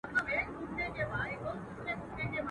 چي دي سرې اوښکي رواني تر ګرېوانه !.